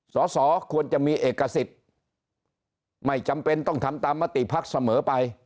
สสควรจะมีเอกสิทธิ์ไม่จำเป็นต้องทำตามมติภักดิ์เสมอไป